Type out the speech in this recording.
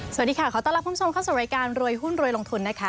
สวัสดีค่ะขอต้อนรับคุณผู้ชมเข้าสู่รายการรวยหุ้นรวยลงทุนนะคะ